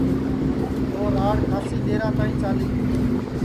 تو راڑ کھاسی درا تائی چالی